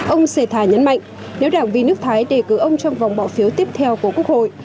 ông xê thà nhấn mạnh nếu đảng vi nước thái đề cử ông trong vòng bỏ phiếu tiếp theo của quốc hội